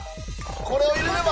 これを入れれば。